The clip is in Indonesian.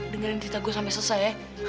dengerin cerita gue sampe selesai ya